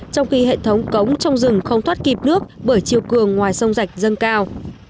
trong khi hệ thống cống trong rừng không thoát kịp nước bởi chiều cường ngoài sông rạch dâng cao